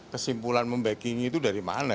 kesimpulan membackingnya itu dari mana